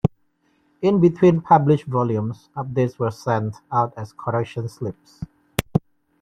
In between published volumes, updates were sent out as correction slips.